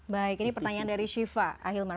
baik ini pertanyaan dari syifa ahilman